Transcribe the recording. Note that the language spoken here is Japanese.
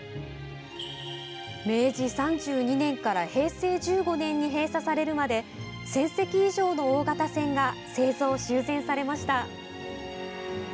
明治３２年から平成１５年に閉鎖されるまで１０００隻以上の大型船が製造・修繕されました。